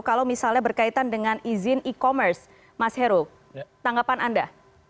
kalau misalnya berkaitan dengan izin e commerce mas heru tanggapan anda